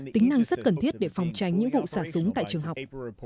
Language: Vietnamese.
tính năng rất cần thiết để phòng tránh những vụ xả súng tại trường học